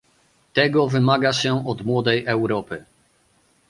Tego wymaga się od młodej Europy